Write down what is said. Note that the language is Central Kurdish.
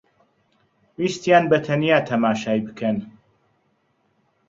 ویستیان بەتەنیا تەماشای بکەن